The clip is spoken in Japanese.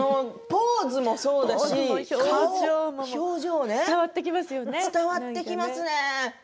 ポーズもそうだし表情も伝わっていきますね。